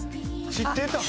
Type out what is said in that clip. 「知ってた？」